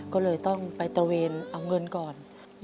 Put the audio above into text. ก็เลยต้องไปตระเวนเอาเงินก่อน